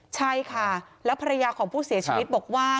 ใช่ค่ะแล้วภรรยาของผู้เสียชีวิตบอกว่า